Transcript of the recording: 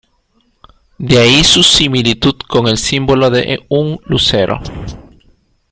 De ahí su similitud con el símbolo de un lucero.